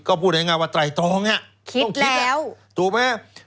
ก็พูดง่ายว่าไตรตรองต้องคิดแล้วถูกไหม